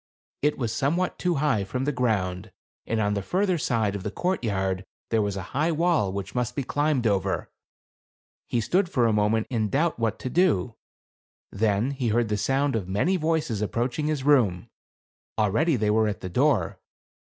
It was somewhat too high from the ground, and on the further side of the courtyard there was a high wall which must be climbed over. He stood for a moment in doubt what to do ; then he heard the sound of many voices approaching his room ; already they were at the door.